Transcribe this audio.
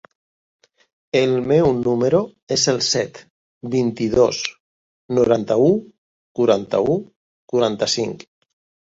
El meu número es el set, vint-i-dos, noranta-u, quaranta-u, quaranta-cinc.